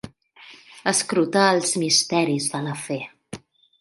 Escrutar els misteris de la fe.